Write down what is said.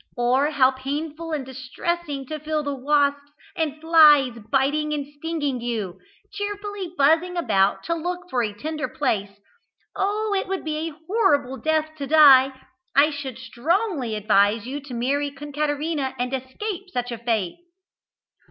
Or how painful and distressing to feel the wasps and flies biting and stinging you, cheerfully buzzing about to look out for a tender place. Oh, it would be a horrible death to die! I should strongly advise you to marry Concaterina and escape such a fate!"